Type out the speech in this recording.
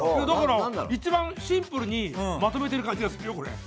だから一番シンプルにまとめてる感じがするよこれ。